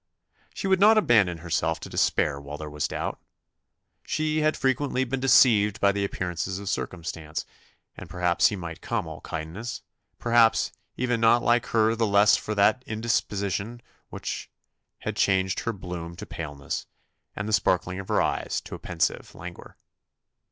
She would not abandon herself to despair while there was doubt. She "had frequently been deceived by the appearance of circumstances; and perhaps he might come all kindness perhaps, even not like her the less for that indisposition which had changed her bloom to paleness, and the sparkling of her eyes to a pensive languor."